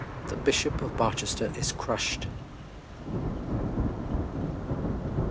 THE BISHOP OF BARCHESTER IS CRUSHED.